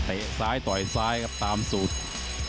เผ่าฝั่งโขงหมดยก๒